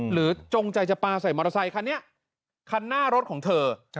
จงใจจะปลาใส่มอเตอร์ไซคันนี้คันหน้ารถของเธอ